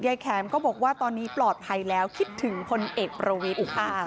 แข็มก็บอกว่าตอนนี้ปลอดภัยแล้วคิดถึงพลเอกประวีอุอ้าง